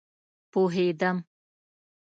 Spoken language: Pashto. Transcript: پوهيدم